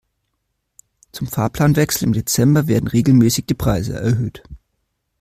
Zum Fahrplanwechsel im Dezember werden regelmäßig die Preise erhöht.